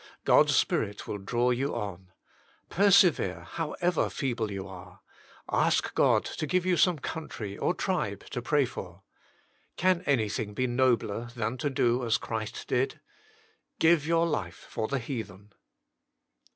God s Spirit will draw you on. Persevere, however feeble you are. Ask God to give you some country or tribe to pray for. Can anything be nobler than to do as Christ did ? Give your life for the heathen.